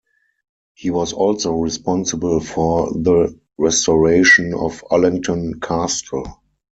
He was also responsible for the restoration of Allington Castle.